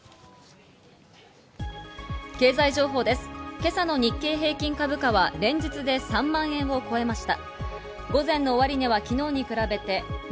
今朝の日経平均株価は連日で３万円を超えました。